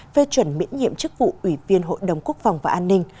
phê chuẩn miễn nhiệm chức vụ ủy viên hội đồng quốc phòng và an ninh